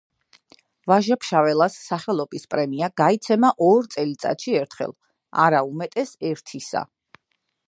ვაჟა-ფშაველას სახელობის პრემია გაიცემა ორ წელიწადში ერთხელ, არა უმეტეს ერთისა.